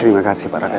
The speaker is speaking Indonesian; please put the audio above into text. terima kasih pak raka